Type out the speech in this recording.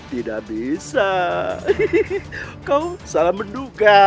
tidak bisa kau salah menduga